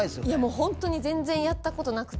ホントに全然やったことなくて。